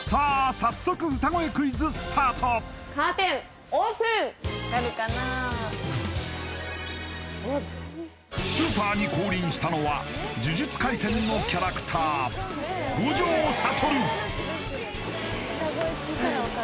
早速歌声クイズスタートスーパーに降臨したのは「呪術廻戦」のキャラクター五条悟